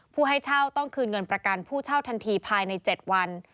ให้เช่าต้องคืนเงินประกันผู้เช่าทันทีภายใน๗วัน